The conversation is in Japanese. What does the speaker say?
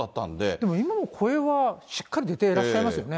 でも今も声はしっかり出ていらっしゃいますよね。